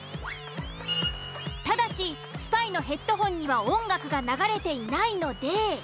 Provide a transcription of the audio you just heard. ただしスパイのヘッドホンには音楽が流れていないので。